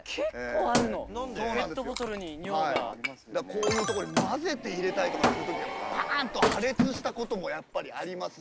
こういうところに混ぜて入れたりとかするときはパン！と破裂したこともやっぱりありますし。